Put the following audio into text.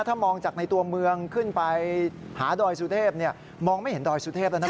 ถ้ามองจากในตัวเมืองขึ้นไปหาดอยสุเทพมองไม่เห็นดอยสุเทพแล้วนะ